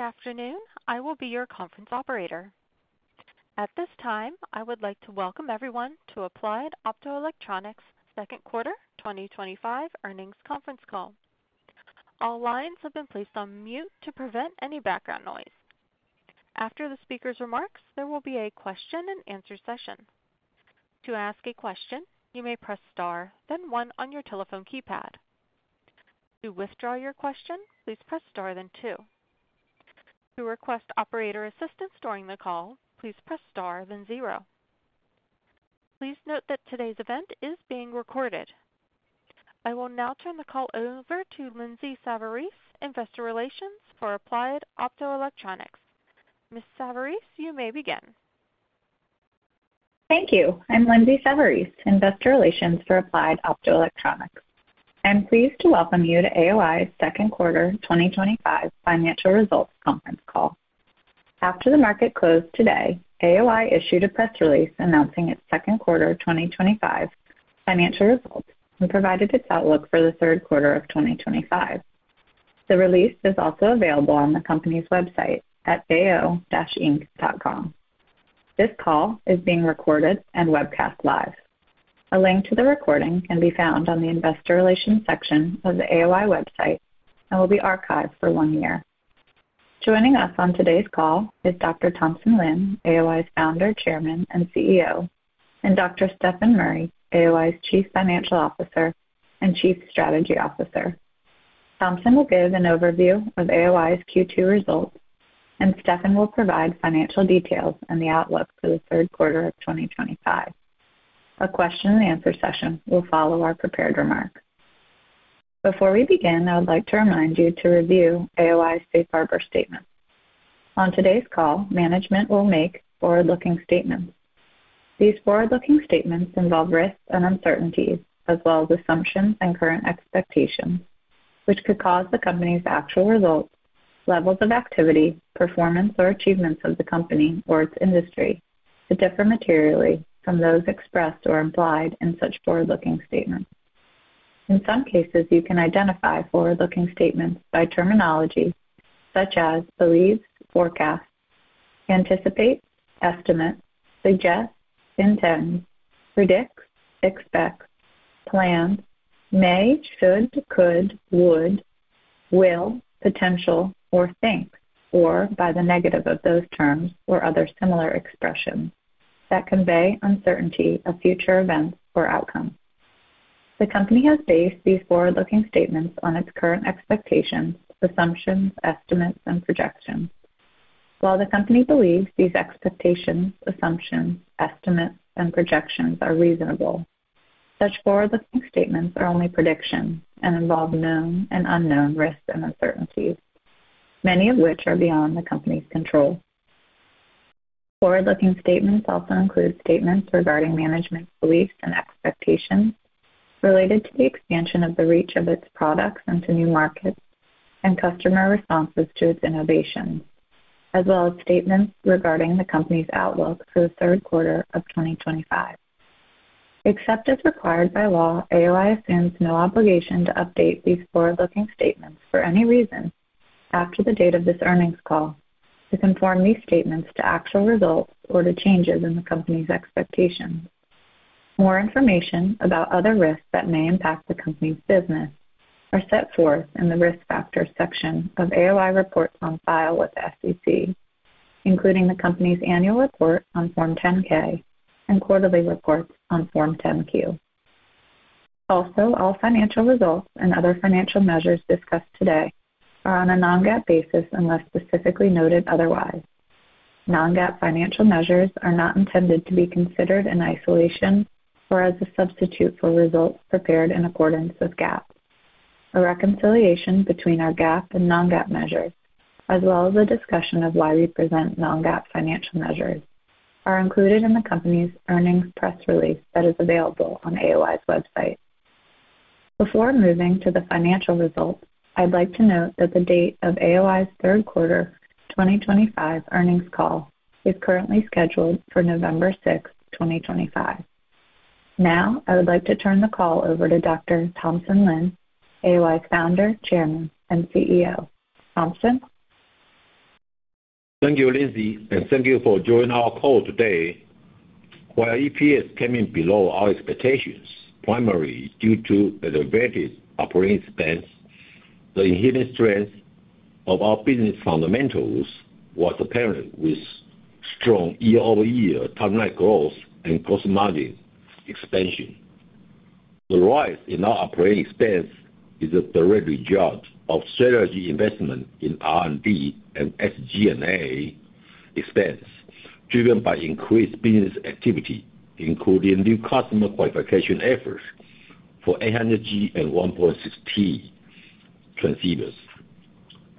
Good afternoon. I will be your conference operator at this time. I would like to welcome everyone to Applied Optoelectronics Second Quarter 2025 Earnings Conference Call. All lines have been placed on mute to prevent any background noise. After the speaker's remarks, there will be a question and answer session. To ask a question, you may press star then one on your telephone keypad. To withdraw your question, please press star then two. To request operator assistance during the call, please press star then zero. Please note that today's event is being recorded. I will now turn the call over to Lindsay Savarese, Investor Relations for Applied Optoelectronics. Ms. Savarese, you may begin. Thank you. I'm Lindsay Savarese, Investor Relations for Applied Optoelectronics. I am pleased to welcome you to AOI's second quarter 2025 financial results conference call. After the market closed today, AOI issued a press release announcing its second quarter 2025 financial results and provided its outlook for the third quarter of 2025. The release is also available on the company's website at ao-inc.com. This call is being recorded and webcast live. A link to the recording can be found on the Investor Relations section of the AOI website and will be archived for one year. Joining us on today's call is Dr. Thompson Lin, AOI's Founder, Chairman and CEO, and Dr. Stefan Murry, AOI's Chief Financial Officer and Chief Strategy Officer. Thompson will give an overview of AOI's Q2 results and Stefan will provide financial details and the outlook for the third quarter of 2025. A question and answer session will follow our prepared remarks. Before we begin, I would like to remind you to review AOI safe harbor statements. On today's call, management will make forward-looking statements. These forward-looking statements involve risks and uncertainties as well as assumptions and current expectations which could cause the company's actual results, levels of activity, performance or achievements of the company or its industry to differ materially from those expressed or implied in such forward-looking statements. In some cases, you can identify forward-looking statements by terminology such as believe, forecast, anticipate, estimate, suggest, intend, predict, expect, plan, may, should, could, would, will, potential or think or by the negative of those terms or other similar expressions that convey uncertainty of future events or outcomes. The company has based these forward-looking statements on its current expectations, assumptions, estimates and projections. While the company believes these expectations, assumptions, estimates and projections are reasonable, such forward-looking statements are only predictions and involve known and unknown risks and uncertainties, many of which are beyond the company's control. Forward-looking statements also include statements regarding management's beliefs and expectations related to the expansion of the reach of its products into new markets and customer responses to its innovation, as well as statements regarding the company's outlook for the third quarter of 2025. Except as required by law, AOI assumes no obligation to update these forward-looking statements for any reason after the date of this earnings call to conform these statements to actual results or to changes in the company's expectations. More information about other risks that may impact the company's business are set forth in the Risk Factors section of AOI reports on file with the SEC, including the company's annual report on Form 10-K and quarterly reports on Form 10-Q. Also, all financial results and other financial measures discussed today are on a non-GAAP basis unless specifically noted otherwise. Non-GAAP financial measures are not intended to be considered in isolation or as a substitute for results prepared in accordance with GAAP. A reconciliation between our GAAP and non-GAAP measures, as well as a discussion of why we present non-GAAP financial measures, are included in the company's earnings press release that is available on AOI's website. Before moving to the financial results, I'd like to note that the date of AOI's third quarter 2025 earnings call is currently scheduled for November 6, 2025. Now I would like to turn the call over to Dr. Thompson Lin, AOI's Founder, Chairman and CEO. Thompson. Thank you Lindsay and thank you for joining our call today. While EPS came in below our expectations primarily due to elevated operating expense, the inherent strength of our business fundamentals was apparent with strong year-over-year top line growth and gross margin expansion. The rise in our operating expense is a direct result of strategy investment in R&D and SG&A expense driven by increased business activity including new customer qualification efforts for 800G and 1.6T transceivers. As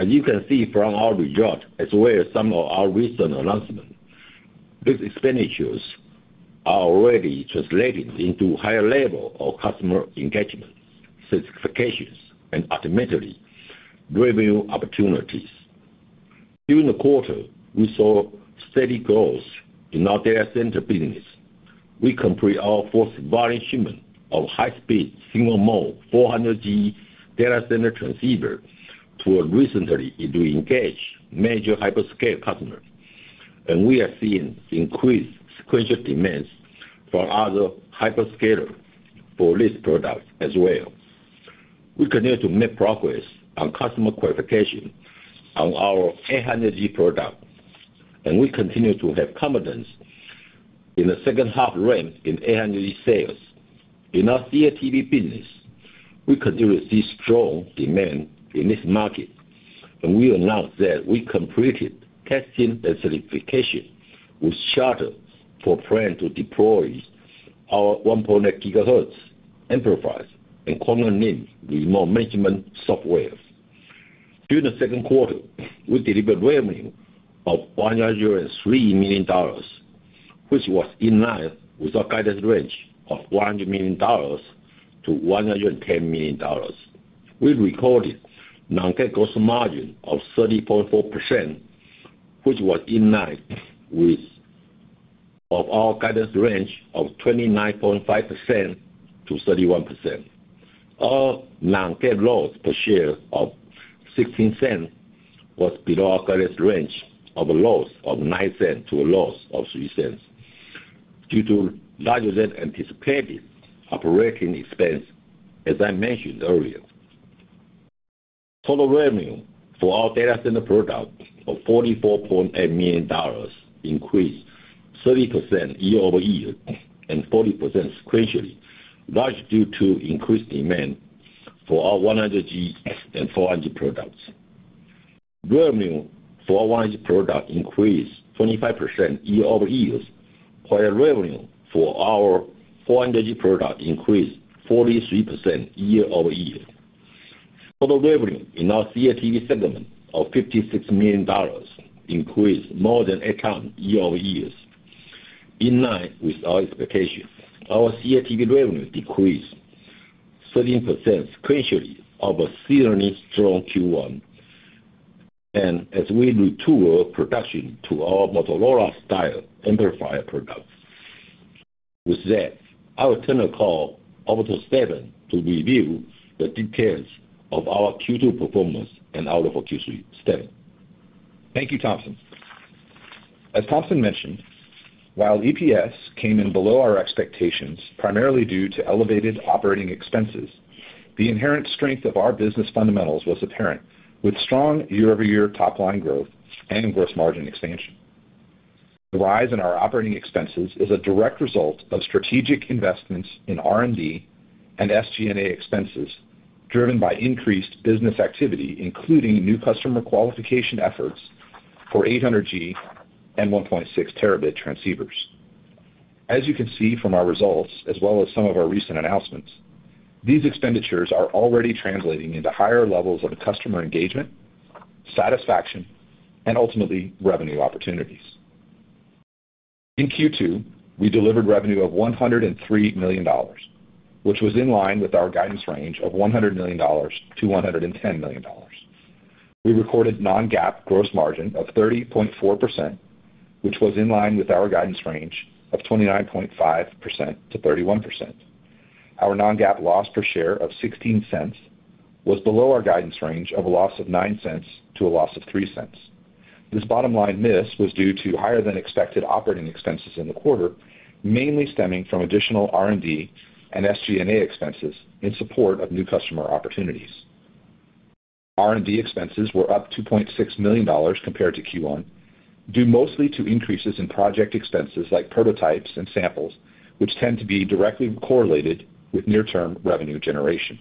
you can see from our result as well as some of our recent announcements, these expenditures are already translating into higher level of customer engagement, certifications, and automated revenue opportunities. During the quarter we saw steady growth in our data center business. We completed our fourth volume shipment of high speed single mode 400G data center transceivers who are recently to engage major hyperscale partners and we are seeing increased sequential demands from other hyperscale data center operators for this product as well. We continue to make progress on customer qualification on our 800G product and we continue to have confidence in the second half range in 800G sales in our CATV business. We continue to see strong demand in this market and we announced that we completed casting decidification. We shuttered for plan to deploy our 1.8 GHz amplifiers and Quantum Link remote management software. During the second quarter we delivered revenue of $103 million which was in line with our guidance range of $100 million-$110 million. We recorded non-GAAP gross margin of 30.4% which was in line with our guidance range of 29.5%-31%. All non-GAAP loss per share of $0.16 was below our guidance range of loss of $0.09 to a loss of $0.03 due to larger than anticipated operating expense. As I mentioned earlier, total revenue for our data center product of $44.8 million increased 30% year-over-year and 40% sequentially largely due to increased demand for our 100G and 400G products. Revenue for 400G products increased 25% year-over-year while revenue for our foreign product increased 43% year-over-year. Total revenue in our CATV segment of $56 million increased more than eight times year-over-year in line with our expectation. Our CATV revenue decreased 13% sequentially off a seasonally strong Q1 and as we retool production to our Motorola-style interface products. With that, I will turn the call over to Stefan to review the details of our Q2 performance and outlook. Thank you, Thompson. As Thompson mentioned, while EPS came in below our expectations primarily due to elevated operating expenses, the inherent strength of our business fundamentals was apparent with strong year-over-year top line growth and gross margin expansion. The rise in our operating expenses is a direct result of strategic investments in R&D and SG&A expenses driven by increased business activity, including new customer qualification efforts for 800G and 1.6T transceivers. As you can see from our results as well as some of our recent announcements, these expenditures are already translating into higher levels of customer engagement, satisfaction, and ultimately revenue opportunities. In Q2, we delivered revenue of $103 million, which was in line with our guidance range of $100 million-$110 million. We recorded non-GAAP gross margin of 30.4%, which was in line with our guidance range of 29.5%-31%. Our non-GAAP loss per share of $0.16 was below our guidance range of a loss of $0.09 to a loss of $0.03. This bottom line miss was due to higher than expected operating expenses in the quarter, mainly stemming from additional R&D and SG&A expenses in support of new customer opportunities. R&D expenses were up $2.6 million compared to Q1, due mostly to increases in project expenses like prototypes and samples, which tend to be directly correlated with near-term revenue generation.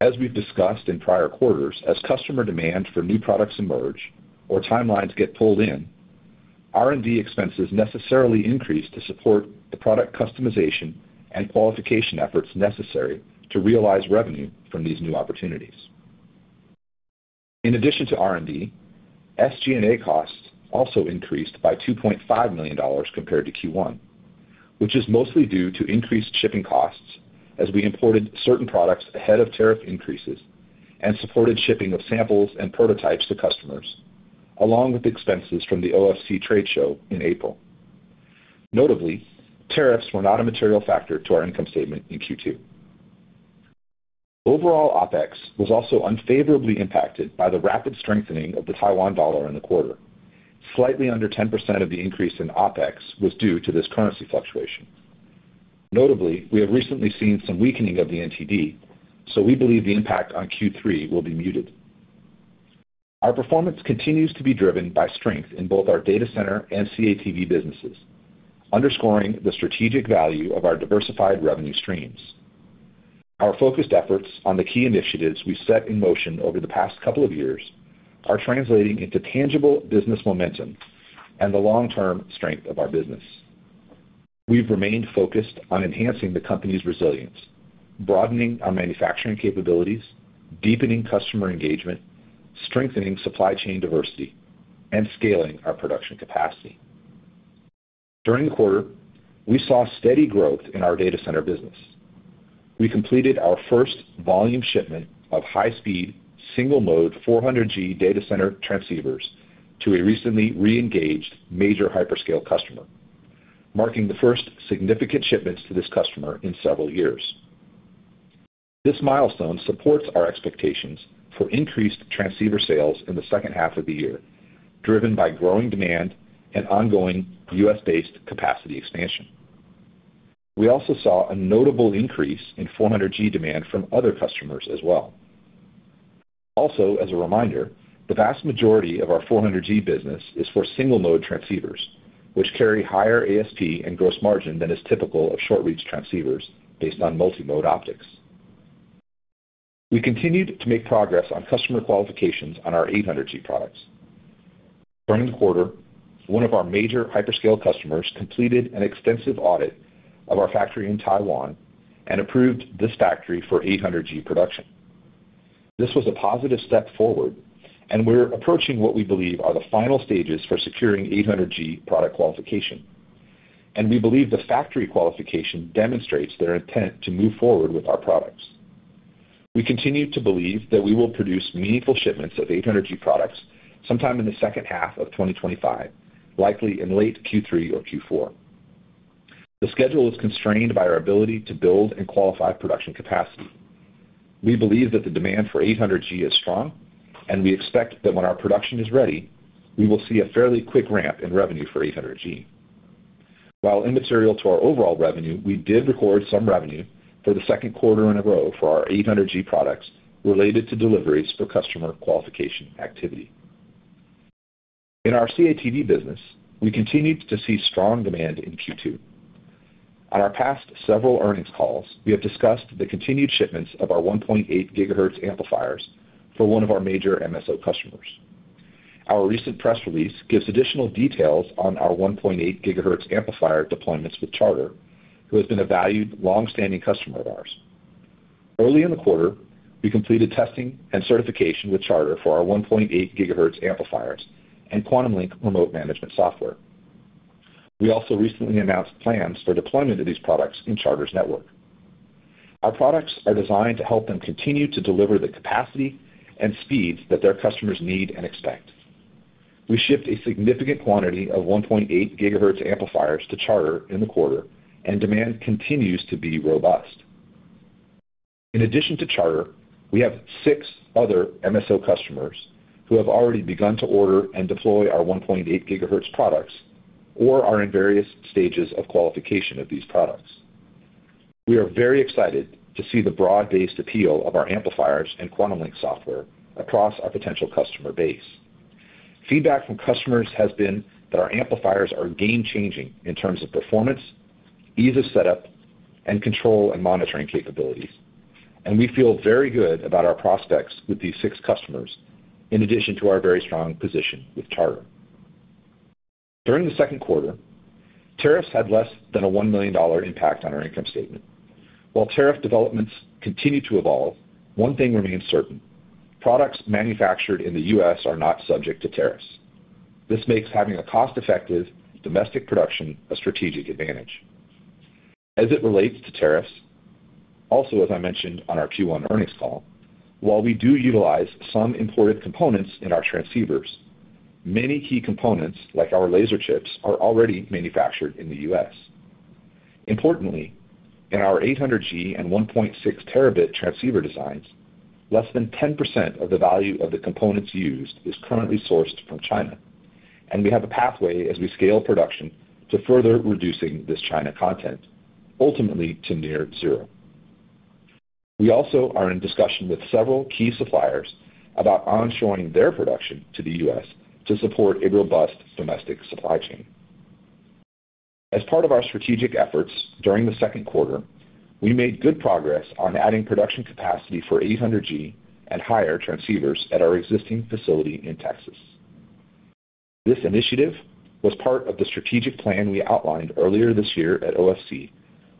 As we've discussed in prior quarters, as customer demand for new products emerge or timelines get pulled in, R&D expenses necessarily increase to support the product customization and qualification efforts necessary to realize revenue from these new opportunities. In addition to R&D, SG&A costs also increased by $2.5 million compared to Q1, which is mostly due to increased shipping costs as we imported certain products ahead of tariff increases and supported shipping of samples and prototypes to customers, along with expenses from the OFC trade show in April. Notably, tariffs were not a material factor to our income statement in Q2. Overall, OpEx was also unfavorably impacted by the rapid strengthening of the Taiwan dollar in the quarter. Slightly under 10% of the increase in OpEx was due to this currency fluctuation. Notably, we have recently seen some weakening of the NTD, so we believe the impact on Q3 will be muted. Our performance continues to be driven by strength in both our data center and CATV businesses, underscoring the strategic value of our diversified revenue streams. Our focused efforts on the key initiatives we set in motion over the past couple of years are translating into tangible business momentum and the long-term strength of our business. We've remained focused on enhancing the company's resilience, broadening our manufacturing capabilities, deepening customer engagement, strengthening supply chain diversity, and scaling our production capacity. During the quarter, we saw steady growth in our data center business. We completed our first volume shipment of high-speed single mode 400G data center transceivers to a recently re-engaged major hyperscale customer, marking the first significant shipments to this customer in several years. This milestone supports our expectations for increased transceiver sales in the second half of the year, driven by growing demand and ongoing U.S.-based capacity expansion. We also saw a notable increase in 400G demand from other customers as well. As a reminder, the vast majority of our 400G business is for single mode transceivers, which carry higher ASP and gross margin than is typical of short reach transceivers based on multimode optics. We continued to make progress on customer qualifications on our 800G products. During the quarter, one of our major hyperscale customers completed an extensive audit of our factory in Taiwan and approved this factory for 800G production. This was a positive step forward, and we're approaching what we believe are the final stages for securing 800G product qualification, and we believe the factory qualification demonstrates their intent to move forward with our products. We continue to believe that we will produce meaningful shipments of 800G products sometime in the second half of 2025, likely in late Q3 or Q4. The schedule is constrained by our ability to build and qualify production capacity. We believe that the demand for 800G is strong, and we expect that when our production is ready, we will see a fairly quick ramp in revenue for 800G. While immaterial to our overall revenue, we did record some revenue for the second quarter in a row for our 800G products related to deliveries for customer qualification activity. In our CATV business, we continued to see strong demand in Q2. On our past several earnings calls, we have discussed the continued shipments of our 1.8 GHz amplifiers for one of our major MSO customers. Our recent press release gives additional details on our 1.8 GHz amplifier deployments with Charter, who has been a valued, long-standing customer of ours. Early in the quarter, we completed testing and certification with Charter for our 1.8 GHz amplifiers and QuantumLink remote management software. We also recently announced plans for deployment of these products in Charter's network. Our products are designed to help them continue to deliver the capacity and speeds that their customers need and expect. We shipped a significant quantity of 1.8 GHz amplifiers to Charter in the quarter, and demand continues to be robust. In addition to Charter, we have six other MSO customers who have already begun to order and deploy our 1.8 GHz products or are in various stages of qualification of these products. We are very excited to see the broad-based appeal of our amplifiers and QuantumLink software across our potential customer base. Feedback from customers has been that our amplifiers are game-changing in terms of performance, ease of setup and control, and monitoring capabilities, and we feel very good about our prospects with these six customers. In addition to our very strong position with Charter during the second quarter, tariffs had less than a $1 million impact on our income statement. While tariff developments continue to evolve, one thing remains certain: products manufactured in the U.S. are not subject to tariffs. This makes having a cost-effective domestic production a strategic advantage as it relates to tariffs. Also, as I mentioned on our Q1 earnings call, while we do utilize some imported components in our transceivers, many key components like our laser chips are already manufactured in the U.S. Importantly, in our 800G and 1.6T transceiver designs, less than 10% of the value of the components used is currently sourced from China, and we have a pathway as we scale production to further reducing this China content ultimately to near zero. We also are in discussion with several key suppliers about onshoring their production to the U.S. to support a robust domestic supply chain. As part of our strategic efforts during the second quarter, we made good progress on adding production capacity for 800G and higher transceivers at our existing facility in Texas. This initiative was part of the strategic plan we outlined earlier this year at OFC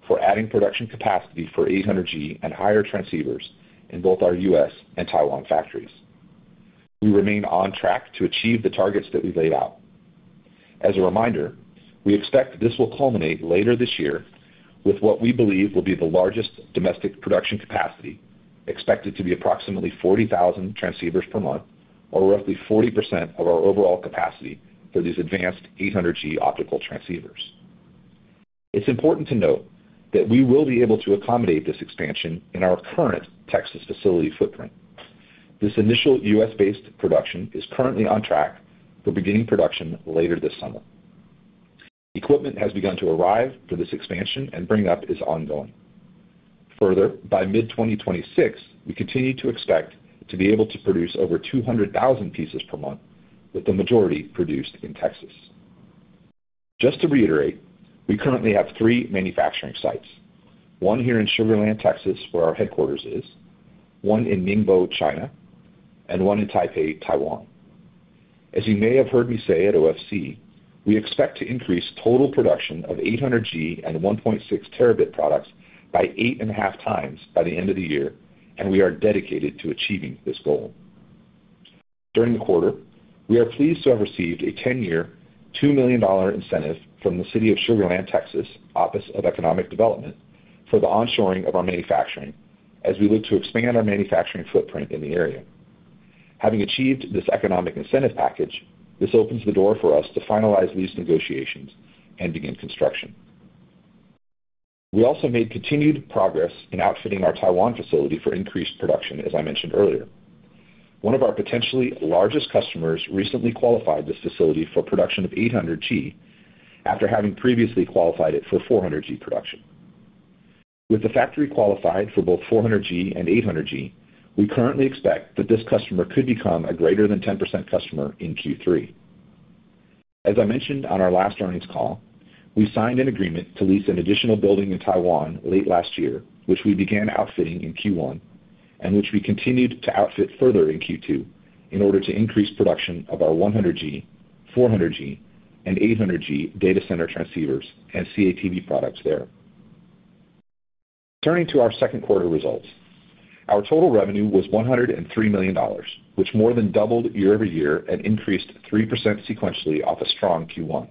for adding production capacity for 800G and higher transceivers in both our U.S. and Taiwan factories. We remain on track to achieve the targets that we laid out. As a reminder, we expect this will culminate later this year with what we believe will be the largest domestic production capacity expected to be approximately 40,000 transceivers per month, or roughly 40% of our overall capacity for these advanced 800G optical transceivers. It's important to note that we will be able to accommodate this expansion in our current Texas facility footprint. This initial U.S.-based production is currently on track for beginning production later this summer. Equipment has begun to arrive for this expansion and bring up is ongoing further. By mid-2026, we continue to expect to be able to produce over 200,000 pieces per month with the majority produced in Texas. Just to reiterate, we currently have three manufacturing sites, one here in Sugar Land, Texas where our headquarters is, one in Ningbo, China, and one in Taipei, Taiwan. As you may have heard me say at OFC, we expect to increase total production of 800G and 1.6T products by 8.5x by the end of the year and we are dedicated to achieving this goal during the quarter. We are pleased to have received a 10-year $2 million incentive from the City of Sugar Land, Texas Office of Economic Development for the onshoring of our manufacturing as we look to expand our manufacturing footprint in the area. Having achieved this economic incentive package, this opens the door for us to finalize lease negotiations and begin construction. We also made continued progress in outfitting our Taiwan facility for increased production. As I mentioned earlier, one of our potentially largest customers recently qualified this facility for production of 800G after having previously qualified it for 400G production. With the factory qualified for both 400G and 800G, we currently expect that this customer could become a greater than 10% customer in Q3. As I mentioned on our last earnings call, we signed an agreement to lease an additional building in Taiwan late last year which we began outfitting in Q1 and which we continued to outfit further in Q2 in order to increase production of our 100G, 400G, and 800G data center transceivers and CATV products there. Turning to our second quarter results, our total revenue was $103 million, which more than doubled year-over-year and increased 3% sequentially off a strong Q1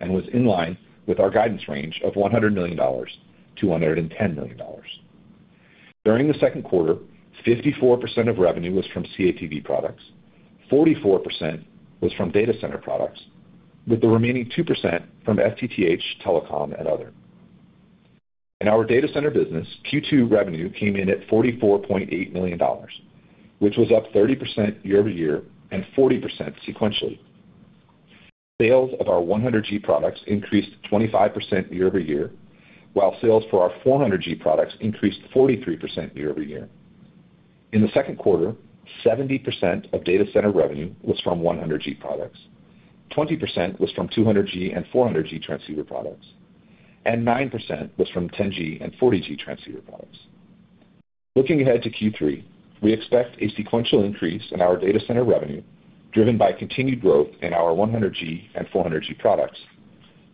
and was in line with our guidance range of $100 million-$110 million. During the second quarter, 54% of revenue was from CATV products, 44% was from data center products, with the remaining 2% from FTTH Telecom and other. In our data center business, Q2 revenue came in at $44.8 million, which was up 30% year-over-year and 40% sequentially. Sales of our 100G products increased 25% year-over-year, while sales for our 400G products increased 43% year-over-year. In the second quarter, 70% of data center revenue was from 100G products, 20% was from 200G and 400G transceiver products, and 9% was from 10G and 40G transceiver products. Looking ahead to Q3, we expect a sequential increase in our data center revenue driven by continued growth in our 100G and 400G products,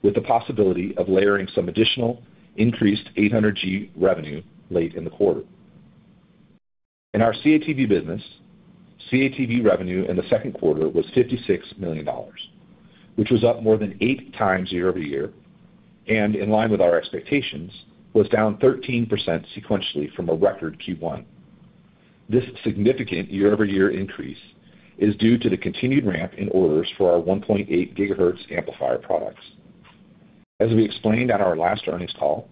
with the possibility of layering some additional increased 800G revenue late in the quarter. In our CATV business, CATV revenue in the second quarter was $56 million, which was up more than eight times year-over-year and, in line with our expectations, was down 13% sequentially from a record Q1. This significant year-over-year increase is due to the continued ramp in orders for our 1.8 GHz amplifier products. As we explained on our last earnings call,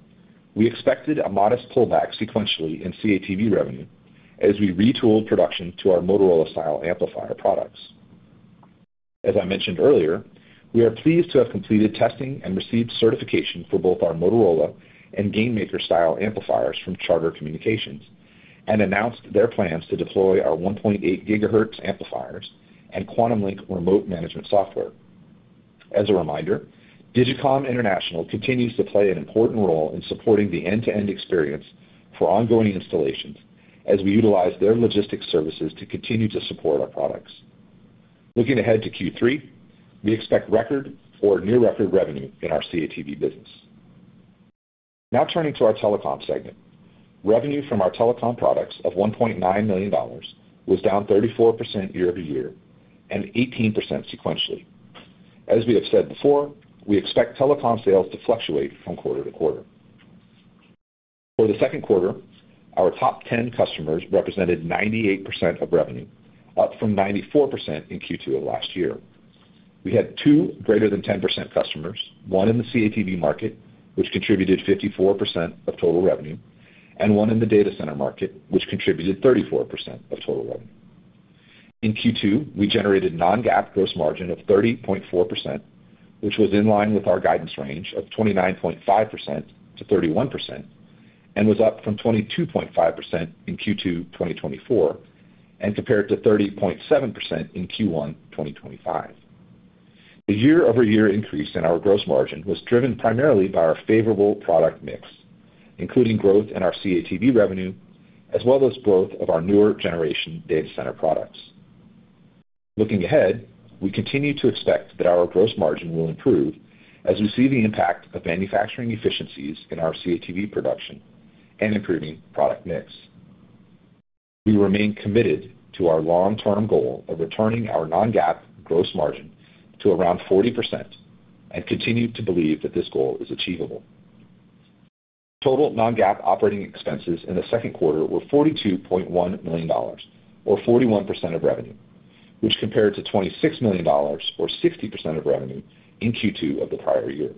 we expected a modest pullback sequentially in CATV revenue as we retooled production to our Motorola Style Amplifier products. As I mentioned earlier, we are pleased to have completed testing and received certification for both our Motorola and GainMaker Style amplifiers from Charter Communications and announced their plans to deploy our 1.8 GHz amplifiers and QuantumLink remote management software. As a reminder, Digicom International continues to play an important role in supporting the end-to-end experience for ongoing installations as we utilize their logistics services to continue to support our products. Looking ahead to Q3, we expect record or near record revenue in our CATV business. Now turning to our telecom segment, revenue from our telecom products of $1.9 million was down 34% year-over-year and 18% sequentially. As we have said before, we expect telecom sales to fluctuate from quarter to quarter. For the second quarter, our top 10 customers represented 98% of revenue, up from 94% in Q2 of last year. We had two greater than 10% customers, one in the CATV market which contributed 54% of total revenue and one in the data center market which contributed 34% of total revenue. In Q2 we generated non-GAAP gross margin of 30.4% which was in line with our guidance range of 29.5%-31% and was up from 22.5% in Q2 2024 and compared to 30.7% in Q1 2025. The year-over-year increase in our gross margin was driven primarily by our favorable product mix including growth in our CATV revenue as well as both of our newer generation data center products. Looking ahead, we continue to expect that our gross margin will improve as we see the impact of manufacturing efficiencies in our CATV production and improving product mix. We remain committed to our long-term goal of returning our non-GAAP gross margin to around 40% and continue to believe that this goal is achievable. Total non-GAAP operating expenses in the second quarter were $42.1 million or 41% of revenue, which compared to $26 million or 60% of revenue in Q2 of the prior year.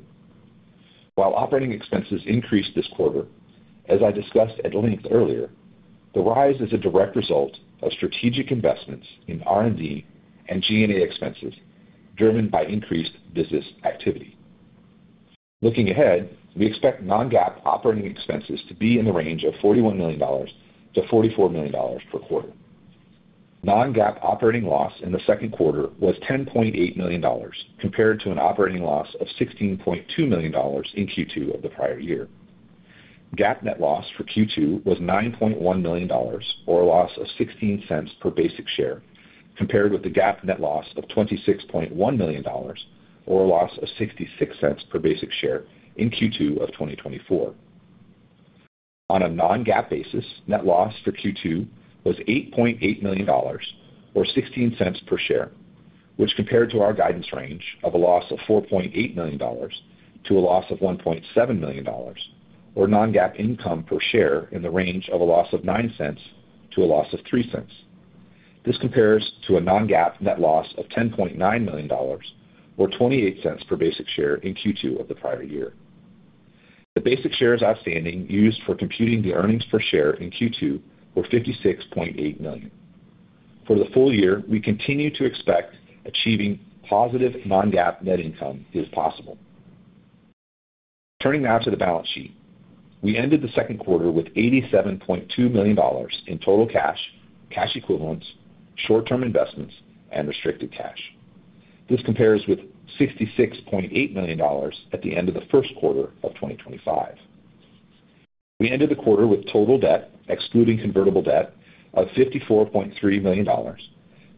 While operating expenses increased this quarter, as I discussed at length earlier, the rise is a direct result of strategic investments in R&D and SG&A expenses driven by increased business activity. Looking ahead, we expect non-GAAP operating expenses to be in the range of $41 million-$44 million per quarter. Non-GAAP operating loss in the second quarter was $10.8 million compared to an operating loss of $16.2 million in Q2 of prior year. GAAP net loss for Q2 was $9.1 million or a loss of $0.16 per basic share compared with the GAAP net loss of $26.1 million or loss of $0.66 per basic share in Q2 of 2024. On a non-GAAP basis, net loss for Q2 was $8.8 million or $0.16 per share which compared to our guidance range of a loss of $4.8 million to a loss of $1.7 million or non-GAAP income per share in the range of a loss of $0.09 to a loss of $0.03. This compares to a non-GAAP net loss of $10.9 million or $0.28 per basic share in Q2 of the prior year. The basic shares outstanding used for computing the earnings per share in Q2 were 56.8 million. For the full year, we continue to expect achieving positive non-GAAP net income is possible. Turning now to the balance sheet, we ended the second quarter with $87.2 million in total cash, cash equivalents, short-term investments and restricted cash. This compares with $66.8 million at the end of the first quarter of 2025. We ended the quarter with total debt, excluding convertible debt, of $54.3 million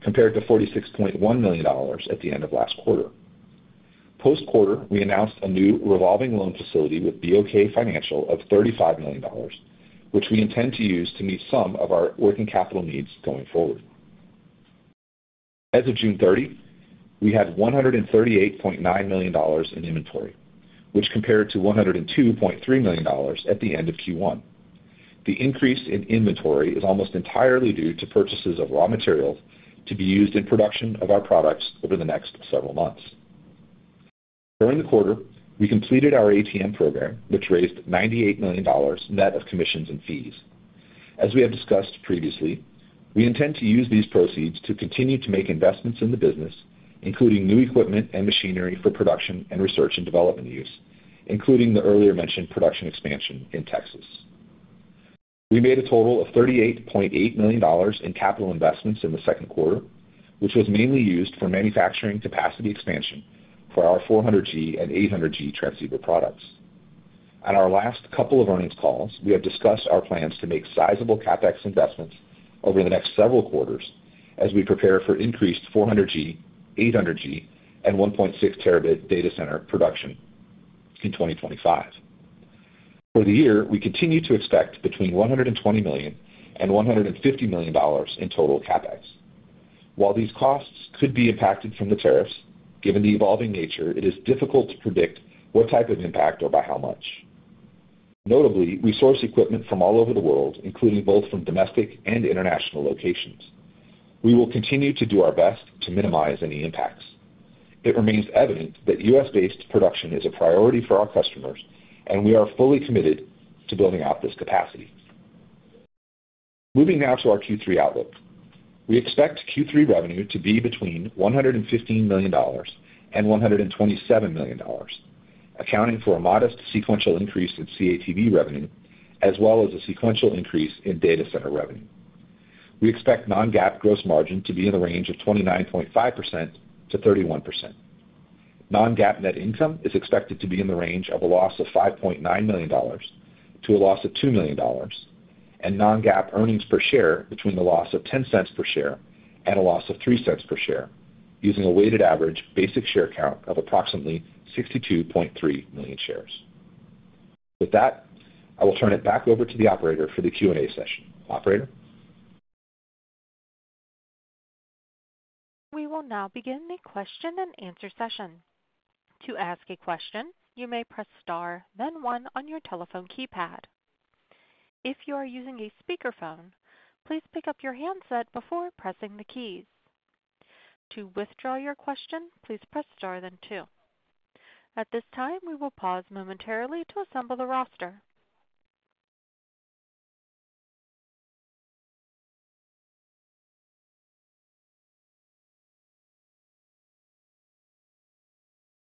compared to $46.1 million at the end of last quarter. Post quarter, we announced a new revolving loan facility with BOK Financial of $35 million, which we intend to use to meet some of our working capital needs going forward. As of June 30, we had $138.9 million in inventory, which compared to $102.3 million at the end of Q1. The increase in inventory is almost entirely due to purchases of raw materials to be used in production of our products over the next several months. During the quarter, we completed our ATM program, which raised $98 million net of commissions and fees. As we have discussed previously, we intend to use these proceeds to continue to make investments in the business, including new equipment and machinery for production and research and development use. Including the earlier mentioned production expansion in Texas, we made a total of $38.8 million in capital investments in the second quarter, which was mainly used for manufacturing capacity expansion for our 400G and 800G transceiver products. On our last couple of earnings calls, we have discussed our plans to make sizable CapEx investments over the next several quarters as we prepare for increased 400G, 800G, and 1.6T data center production in 2025. For the year, we continue to expect between $120 million and $150 million in total CapEx. While these costs could be impacted from the tariffs, given the evolving nature, it is difficult to predict what type of impact or by how much. Notably, we source equipment from all over the world, including both from domestic and international locations. We will continue to do our best to minimize any impacts. It remains evident that U.S.-based production is a priority for our customers, and we are fully committed to building out this capacity. Moving now to our Q3 outlook, we expect Q3 revenue to be between $115 million and $127 million, accounting for a modest sequential increase in CATV revenue as well as a sequential increase in data center revenue. We expect non-GAAP gross margin to be in the range of 29.5%-31%. Non-GAAP net income is expected to be in the range of a loss of $5.9 million to a loss of $2 million, and non-GAAP earnings per share between the loss of $0.10 per share and a loss of $0.03 per share, using a weighted average basic share count of approximately 62.3 million shares. With that, I will turn it back over to the operator for the Q&A session, Operator. We will now begin the question and answer session. To ask a question, you may press Star then one on your telephone keypad. If you are using a speakerphone, please pick up your handset before pressing the keys. To withdraw your question, please press Star then two. At this time, we will pause momentarily to assemble the roster,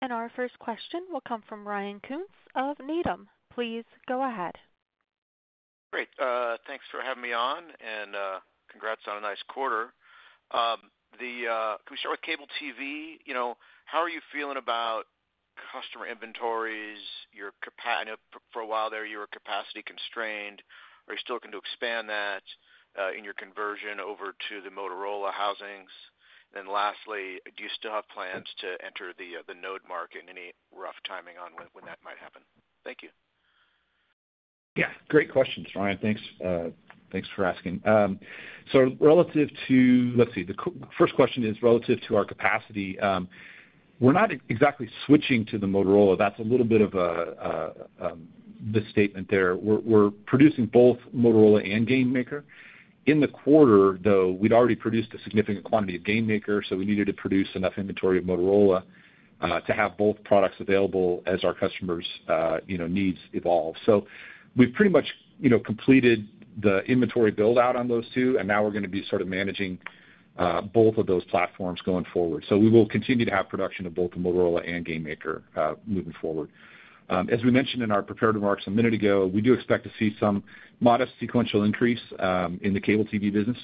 and our first question will come from Ryan Koontz of Needham. Please go ahead. Great. Thanks for having me on and congrats on a nice quarter. Can we start with CATV? How are you feeling about customer inventories? I know for a while there you were capacity constrained. Are you still looking to expand that in your conversion over to the Motorola housings? Lastly, do you still have plans to enter the Node market? Any rough timing on when that might happen? Thank you. Great question, Ryan. Thanks for asking. Relative to the first question, it is relative to our capacity. We're not exactly switching to the Motorola. That's a little bit of a misstatement there. We're producing both Motorola and GameMaker in the quarter, though we'd already produced a significant quantity of GameMaker, so we needed to produce enough inventory of Motorola to have both products available as our customers' needs evolve, we pretty much completed the inventory build out on those two, and now we're going to be managing both of those platforms going forward. We will continue to have production of both the Motorola and GameMaker moving forward as we mentioned in our prepared remarks a minute ago, we do expect to see some modest sequential increase in the CATV business.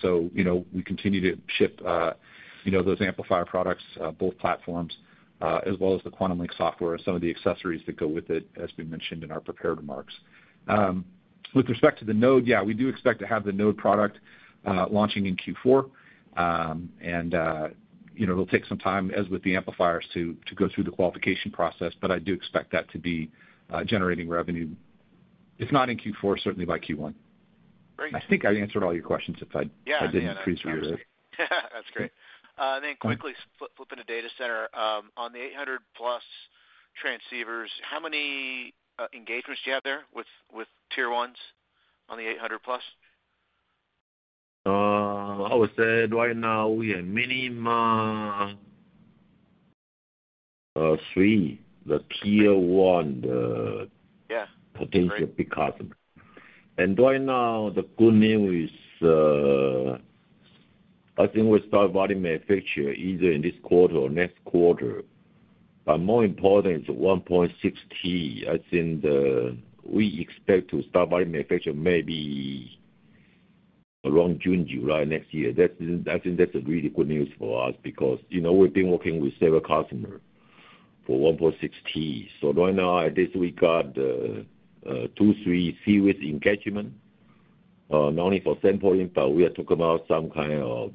We continue to ship those amplifier products, both platforms as well as the QuantumLink remote management software, and some of the accessories that go with it as we mentioned in our prepared remarks. With respect to the Node, yeah, we do expect to have the Node product launching in Q4, and you know, it'll take some time, as with the amplifiers, to go through the qualification process, but I do expect that to be generating revenue. If not in Q4, certainly by Q1. I think I answered all your questions. If I didn't. That's great. Quickly flipping a data center on the 800G plus transceivers, how many engagements do you have there with tier ones on the 800G plus? I would say right now we are minimum three, the tier one. Yeah, potential because right now the good news is I think we start volume picture either in this quarter or next quarter. More important is 1.6T. I think we expect to start volume manufacture maybe around June, July next year. I think that's really good news for us because you know, we've been working with several customers for 1.6T. Right now at least we got two, three series engagement, not only for sample impact. We are talking about some kind of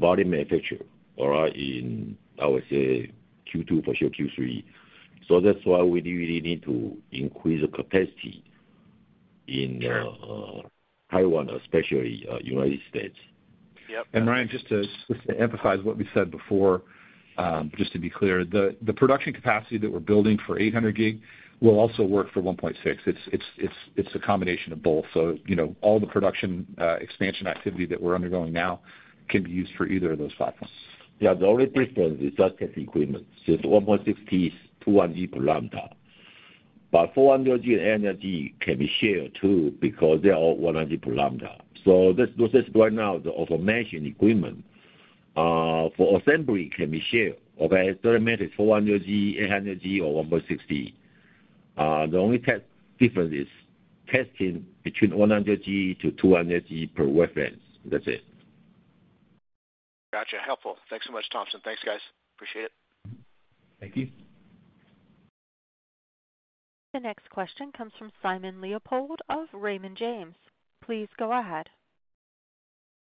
volume manufacture in, I would say, Q2 for sure, Q3. That's why we really need to increase the capacity in Taiwan, especially United States. Ryan, just to emphasize what we said before, just to be clear, the production capacity that we're building for 800G will also work for 1.6T. It's a combination of both. All the production expansion activity that we're undergoing now can be used for either of the software. There are already different resources, equipment since 1.6T to 1.8 GHz to lambda. 400G and energy can be shared too because they are 100G per lambda. This right now, the aforementioned agreement for assembly can be shared. Okay, 30 minutes, 400G, 800G or 1.6T. The only test difference is testing between 100G-200G per wavelength. That's it. Gotcha. Helpful. Thanks so much, Thompson. Thanks, guys. Appreciate it. Thank you. The next question comes from Simon Leopold of Raymond James. Please go ahead.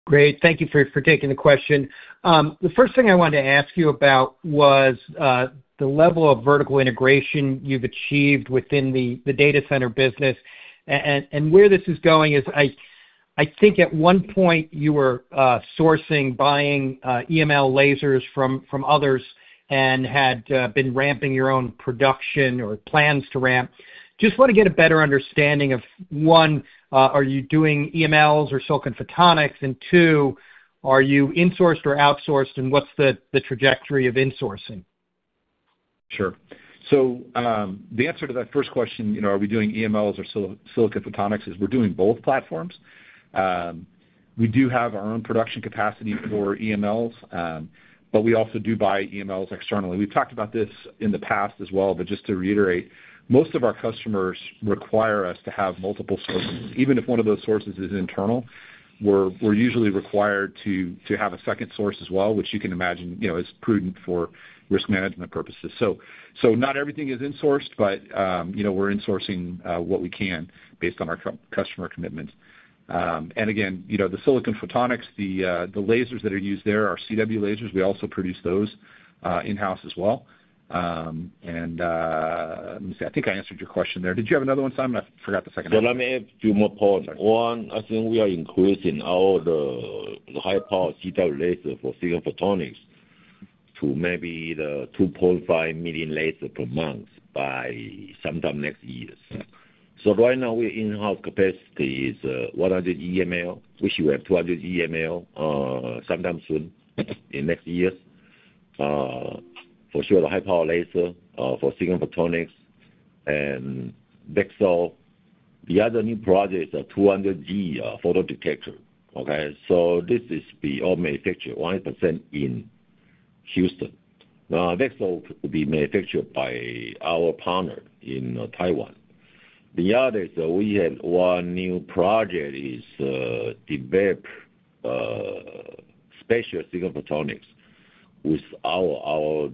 Great. Thank you for taking the question. The first thing I wanted to ask you about was the level of vertical integration you've achieved within the data center business. Where this is going is I think at one point you were sourcing buying EML lasers from others and had been ramping your own production or plans to ramp. Just want to get a better understanding of one, are you doing EMLs or silicon photonics? Two, are you insourced or outsourced? What's the trajectory of insourcing? Sure. The answer to that first question, are we doing EMLs or silicon photonics? We're doing both platforms. We do have our own production capacity for EMLs, but we also do buy EMLs externally. We've talked about this in the past as well. To reiterate, most of our customers require us to have multiple sources. Even if one of those sources is internal, we're usually required to have a second source as well, which you can imagine is prudent for risk management purposes. Not everything is in source, but we're insourcing what we can based on our customer commitments. The silicon photonics, the lasers that are used there are CW lasers. We also produce those in-house as well. Let me see, I think I answered your question there. Did you have another one, Simon? I forgot the second. Yeah, let me add a few more points. One, I think we are increasing all the high power GW laser for silicon photonics to maybe the $2.5 million laser per month by sometime next year. Right now we're in, our capacity is 100 EML, which we have 200 EML sometime soon, in next year for sure. The high power laser for silicon photonics and Dixel. The other new project is a 200G photodetector. This is all manufactured 100% in Houston now. Desktop will be manufactured by our partner in Taiwan. The other is we have one new project is develop special silicon photonics with our.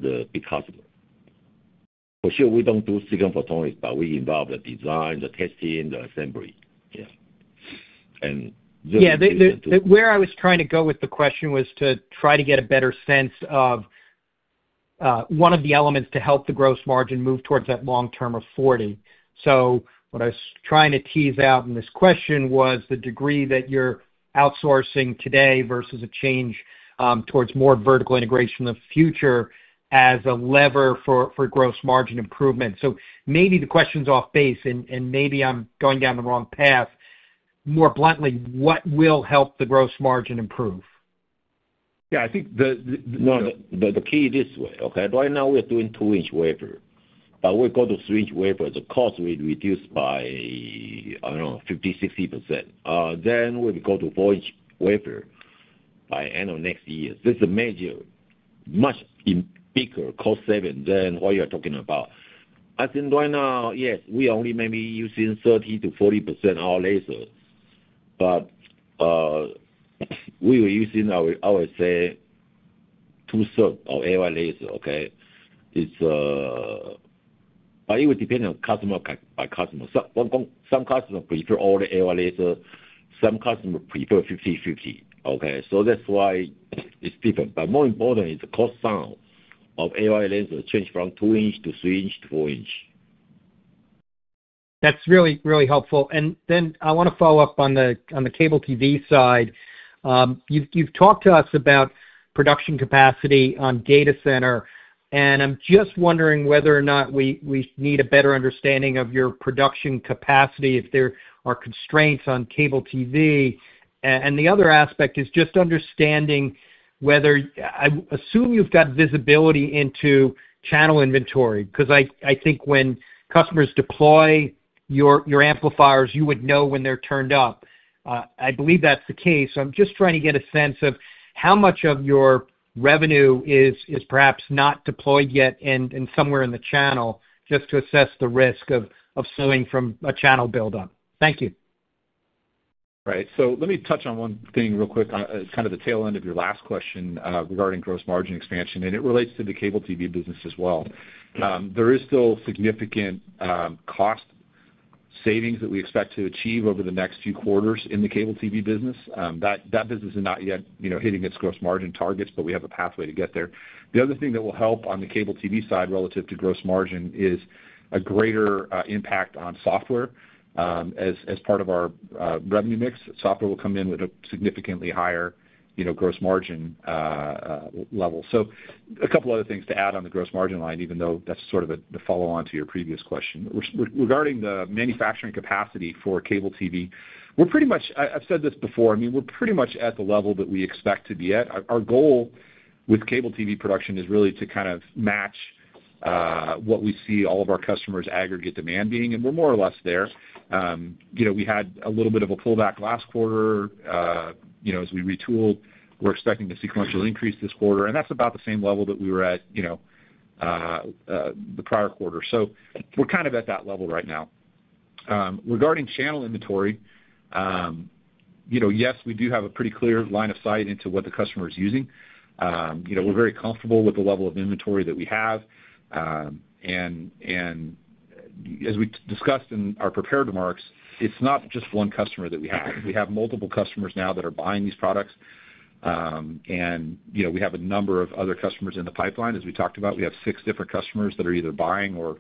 For sure we don't do silicon photonics, but we involve the design, the testing, the assembly. Yeah, where I was trying to go with the question was to try to get a better sense of one of the elements to help the gross margin move towards that long-term of 40%. What I was trying to tease out in this question was the degree that you're outsourcing today versus a change towards more vertical integration in the future as a lever for gross margin improvement. Maybe the question's off base and maybe I'm going down the wrong path. More bluntly, what will help the gross margin improvement? Yeah, I think the. No, the key this way. Okay, right now we are doing 2 inch wafer, but if we go to 3 inch wafer, the cost will reduce by, I don't know, 50%, 60%. If we go to 4 inch wafer by end of next year, this is major, much bigger cost saving than what you're talking about. I think right now, yeah, we only maybe using 30%-40% our laser, but we were using, I would say, two-thirds of AI laser. Okay, it's depending on customer by customer. Some customers prefer all the AI laser, some customer prefer 50-50. Okay, so that's why it's different. More important is the cost. Sound of AOI laser change from 2 inch to 3 inch to 4 inch. That's really, really helpful. I want to follow up on the cable TV side. You've talked to us about production capacity on data center, and I'm just wondering whether or not we need a better understanding of your production capacity if there are constraints on cable TV. The other aspect is just understanding whether I assume you've got visibility into channel inventory. I think when customers deploy your amplifiers, you would know when they're turned up. I believe that's the case. I'm just trying to get a sense of how much of your revenue is perhaps not deployed yet and somewhere in the channel, just to assess the risk of snowing from a channel build up. Thank you. Right, let me touch on one thing real quick. Kind of the tail end of your last question regarding gross margin expansion, and it relates to the cable TV business as well. There is still significant cost savings that we expect to achieve over the next few quarters in the cable TV business. That business is not yet hitting its gross margin targets, but we have a pathway to get there. The other thing that will help on the cable TV side relative to gross margin is a greater impact on software. As part of our revenue mix, software will come in with a significantly higher gross margin level. A couple other things to add on the gross margin line. Even though that's sort of the follow-up on to your previous question regarding the manufacturing capacity for CATV. We're pretty much, I've said this before, I mean, we're pretty much at the level that we expect to be at. Our goal with CATV production is really to kind of match what we see all of our customers, aggregate demand. We're more or less there. We had a little bit of a pullback last quarter. As we retooled, we're expecting the sequential increase this quarter. That's about the same level that we were at the prior quarter. We're kind of at that level right now. Regarding channel inventory, yes, we do have a pretty clear line of sight into what the customer is using. You know, we're very comfortable with that level of inventory that we have. As we discussed in our prepared remarks, it's not just one customer that we have. We have multiple customers now that are buying these products, and we have a number of other customers in the pipeline. As we talked about, we have six different customers that are either buying or,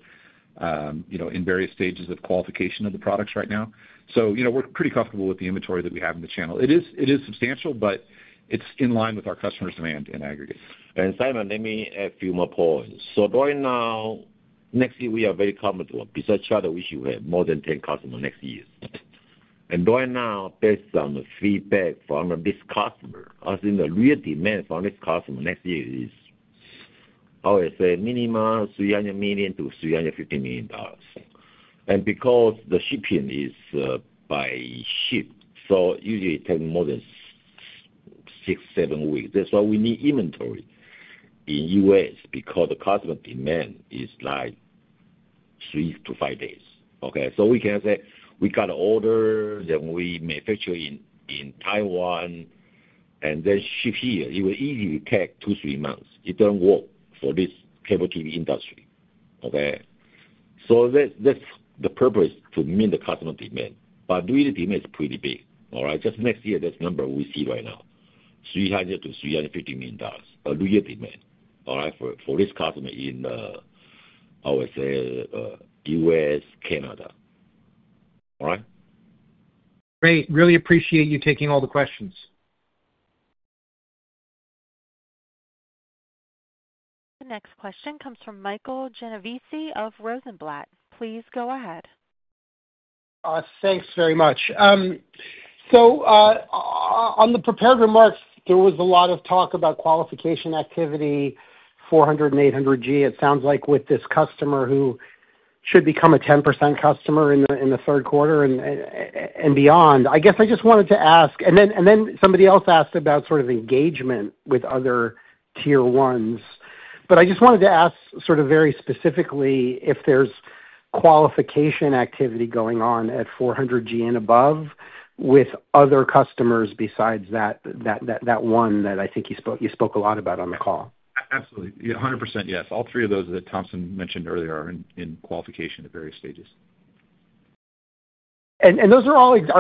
you know, in various stages of qualification of the products. Right now, we're pretty comfortable with the inventory that we have in the channel. It is substantial, but it's in line with our customers' demand in aggregate. Simon, let me add a few more points. By next year we are very comfortable. Besides Charter, we should have more than 10 customers next year. Right now, based on the feedback from this customer, I think the real demand from this customer next year is always a minimum $300 million-$350 million. Because the shipping is by ship, it usually takes more than six or seven weeks. That's why we need inventory in the U.S. because the customer demand is like three to five days. We can say we got an order, then we manufacture in Taiwan and then ship here. It will easily take two or three months. It doesn't work for this cable TV industry. That's the purpose, to meet the customer demand. The demand is pretty big. Just next year, that's the number we see right now, $300-$350 million per year demand for this customer in, I would say, U.S. and Canada. Right. Great. Really appreciate you taking all the questions. The next question comes from Michael Genovese of Rosenblatt. Please go ahead. Thanks very much. On the prepared remarks there was a lot of talk about qualification activity 400G and 800G. It sounds like with this customer who should become a 10% customer in the third quarter and beyond. I just wanted to ask, and then somebody else asked about sort of engagement with other tier ones. I just wanted to ask very specifically if there's qualification activity going on at 400G and above with other customers besides that one that I think you spoke a lot about on the call? Absolutely. 100%. Yes. All three of those that Thompson mentioned earlier are in qualification at various stages. Are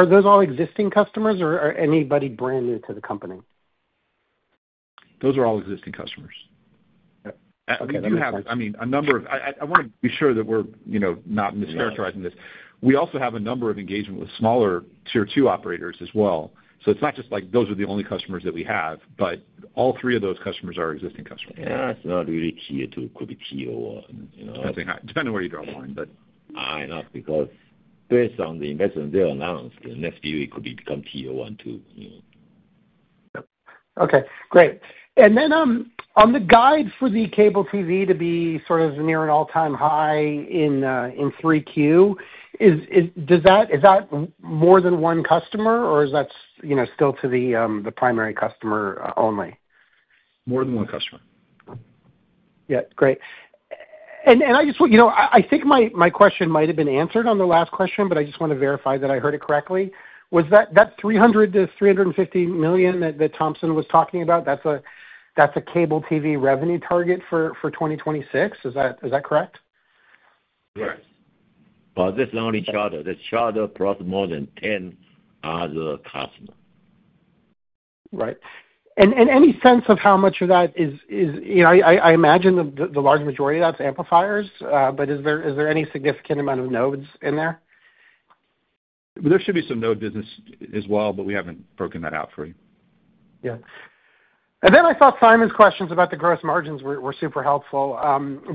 those all existing customers or anybody brand new to the company? Those are all existing customers we do have. I want to be sure that we're not mischaracterizing this. We also have a number of engagement with smaller Tier 2 operators as well. It is not just like those are the only customers that we have, but all three of those customers are existing customers. Yeah, it's not really tier two, could be Tier 1. I think I know where you draw the line, but enough because based on the investment they announced in SPV, could become tier one too. Okay, great. On the guide for the cable TV to be sort of near an all-time high in 3Q, is that more than one customer or is that still the primary customer only? More than one customer. Yeah. Great. I think my question might have been answered on the last question, but I just want to verify that I heard it correctly. Was that $300 million-$350 million that Thompson was talking about, that's a cable TV revenue target for 2026. Is that correct? This is only Charter. This is Charter, plus more than 10 other customers. Right. And any sense of how much of that is? I imagine the large majority of that's amplifiers. Is there any significant amount of nodes in there? There should be some node business as well, but we haven't broken that out for you. Yeah. I thought Simon's questions about the gross margins were super helpful,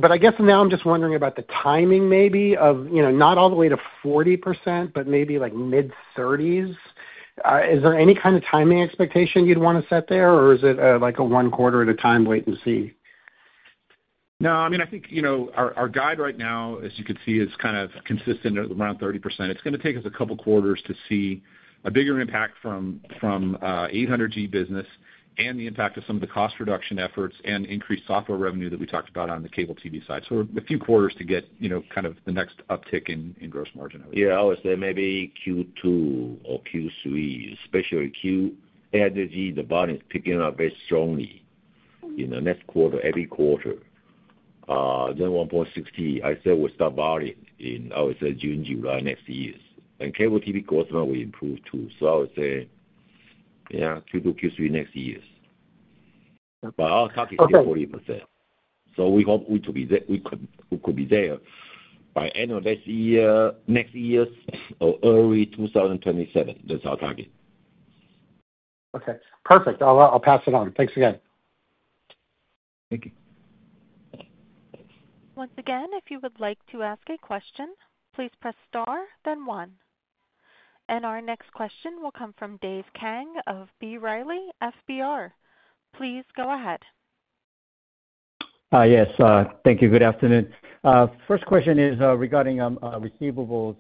but I guess now I'm just wondering about the timing maybe of you not all the way to 40%, but maybe like mid-30%. Is there any kind of timing expectation you'd want to set there? Is it like a one quarter at a time, wait and see? I think, you know, our guide right now, as you can see, is kind of consistent around 30%. It's going to take us a couple quarters to see a bigger impact from 800G business and the impact of some of the cost reduction efforts and increased software revenue that we talked about on the CATV side. A few quarters to get you kind of the next uptick in gross margin. Yeah, I would say maybe Q2 or Q3, especially Q2. The bottom is picking up very strongly in the next quarter. Every quarter, then 1.6T. I said we'll start buying in. I would say June, July next year. And CATV growth rate will improve too. I would say yeah, Q2, Q3 next year. I'll talk to 40%. We hope we could be there by end of this year, next year, or early 2027. That's our target. Okay, perfect. I'll pass it on. Thanks again. Thank you. Once again, if you would like to ask a question, please press star then one. Our next question will come from Dave Kang of B. Riley. Please go ahead. Yes, thank you. Good afternoon. First question is regarding receivables.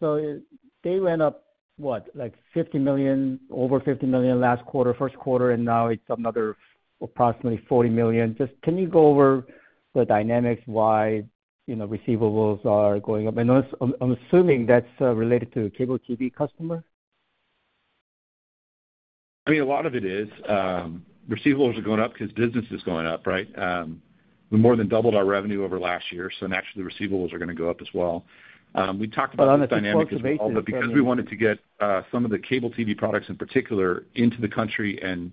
They went up, what, like $50 million? Over $50 million last quarter, first quarter, and now it's another approximately $40 million. Can you go over the dynamics? Why, you know, receivables are going up? I'm assuming that's related to cable TV customer. I mean a lot of it is receivables are going up because business is going up. Right. We more than doubled our revenue over last year, so naturally the receivables are going to go up as well. We talked about, because we wanted to get some of the CATV products in particular into the country and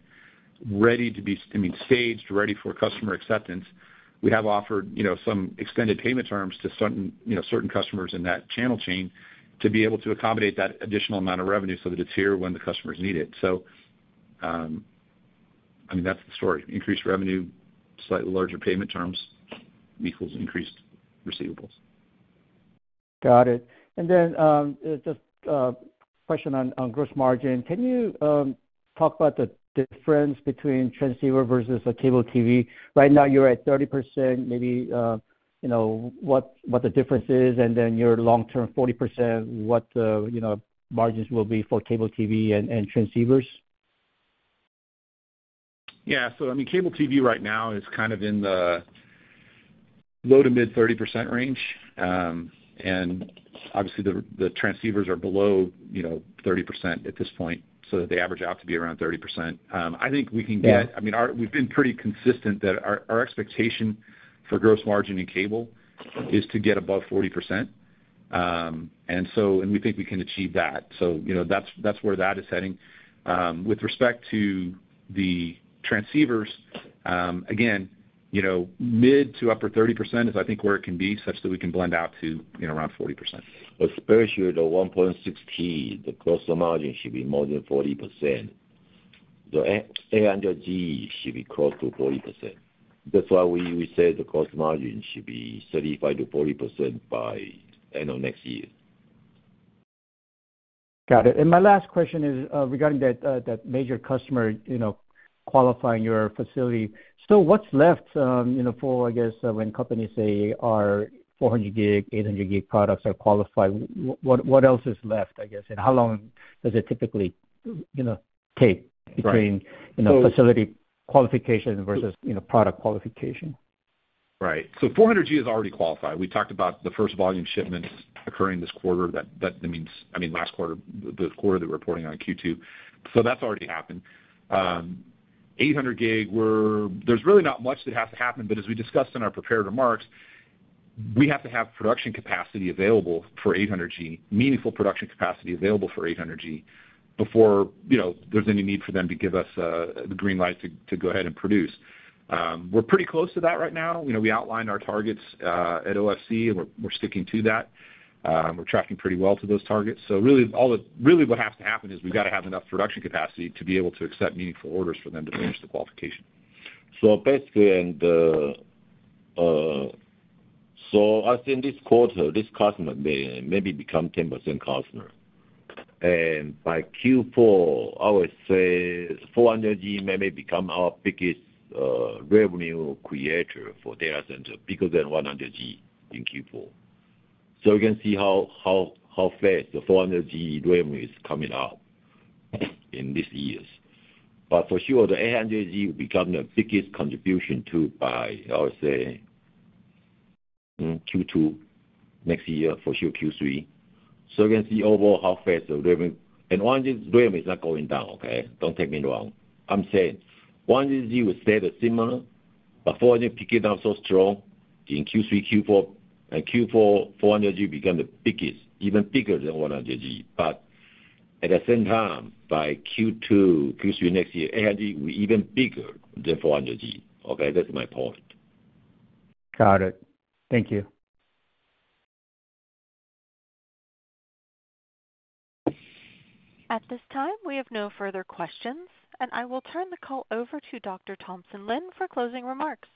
ready to be, I mean, staged ready for customer acceptance. We have offered, you know, some extended payment terms to certain customers in that channel chain to be able to accommodate that additional amount of revenue so that it's here when the customers need it. So. I mean, that's the story. Increased revenue, slightly larger payment terms equals increased receivables. Got it. Just question on gross margin, can you talk about the difference between transceiver versus cable TV? Right now you're at 30%, maybe you know what the difference is and then your long-term 40%. What the margins will be for cable TV and transceivers. Yeah. Cable TV right now is kind of in the low to mid 30% range. Obviously, the transceivers are below 30% at this point. They average out to be around 30%. I think we can get, I mean, we've been pretty consistent that our expectation for gross margin in cable is to get above 40%. We think we can achieve that. That's where that is heading with respect to the transceivers. Again, mid to upper 30% is, I think, where it can be such that we can blend out to you know, around 40%. Especially at 1.6T, the margin should be more than 40%. The 100G should be close to 40%. That's why we said the cost margin should be 35%-40% by end of next year. Got it. My last question is regarding that major customer, you know, qualifying your facility. What's left, you know, for I guess when companies say our 400G, 800G products are qualified, what else is left? I guess. How long does it typically, you know, take between, you know, facility qualification versus, you know, product qualification? Right. 400G is already qualified. We talked about the first volume shipments occurring this quarter. That means, I mean last quarter. The quarter they were reporting on Q2. That's already happened. 800G, there's really not much that has to happen, as we discussed in our prepared remarks. We have to have production capacity available for 800G, meaningful production capacity available. 800G before you know there's any need for them to give us the green light to go ahead and produce. We're pretty close to that right now. You know, we outlined our targets at OFC, and we're sticking to that. We're tracking pretty well to those targets. Really, what has to happen is we've got to have enough production capacity to be able to accept meaningful orders for them to finish the qualification. Basically, as in this quarter, this customer maybe become 10% customer and by Q4 I would say 400G maybe become our biggest revenue creator for data center, bigger than 100G in Q4. You can see how fast the 400G ramp is coming out in this year. For sure, the 800G will become the biggest contribution by, I would say, in Q2 next year, for sure Q3. You can see overall how fast the revenue and 1G is not going down. Okay, don't take me wrong. I'm saying 1G will stay similar. 400G picking up so strong in Q3, Q4, and in Q4, 400G becomes the biggest, even bigger than 100G. At the same time, by Q2, Q3 next year, 800G will be even bigger, therefore 800G. Okay, that's my point. Got it. Thank you. At this time, we have no further questions, and I will turn the call over to Dr. Thompson Lin for closing remarks.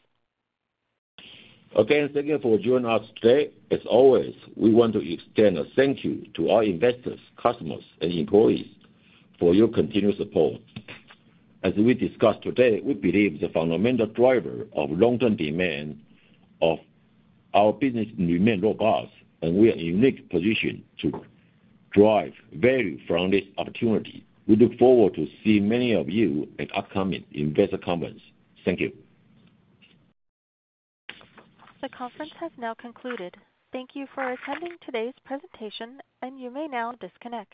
Again, thank you for joining us today. As always, we want to extend a thank you to our investors, customers, and employees for your continued support. As we discussed today, we believe the fundamental driver of long-term demand of our business remains robust, and we are in a unique position to drive value from this opportunity. We look forward to see many of you at upcoming investor conference. Thank you. The conference has now concluded. Thank you for attending today's presentation, and you may now disconnect.